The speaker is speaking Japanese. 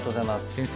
先生